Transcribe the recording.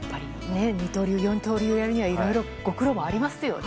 二刀流、四刀流やるにはいろいろご苦労もありますよね。